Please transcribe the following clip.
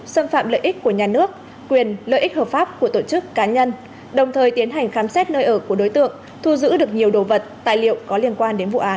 xâm phạm lợi ích của nhà nước quyền lợi ích hợp pháp của tổ chức cá nhân đồng thời tiến hành khám xét nơi ở của đối tượng thu giữ được nhiều đồ vật tài liệu có liên quan đến vụ án